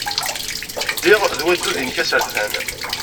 Ddiɣ ed waddud-nnek asertan.